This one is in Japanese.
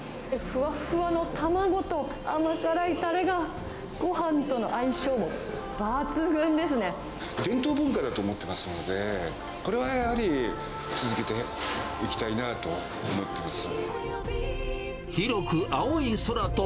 ふわふわの卵と甘辛いたれが、伝統文化だと思ってますので、これはやはり続けていきたいなと思っています。